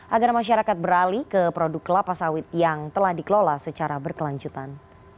agar masyarakat beralih ke produk kelapa sawit yang telah dikelola secara berkelanjutan